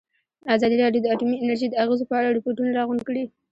ازادي راډیو د اټومي انرژي د اغېزو په اړه ریپوټونه راغونډ کړي.